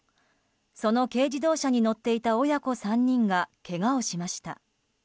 その軽自動車に乗っていた親子３人がけがをしました。